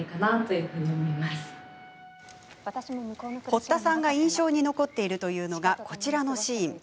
堀田さんが印象に残っているというのがこちらのシーン。